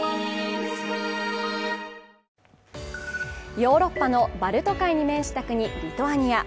ヨーロッパのバルト海に面した国、リトアニア。